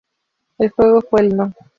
El juego fue el No.